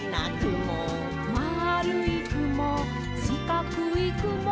「まるいくもしかくいくも」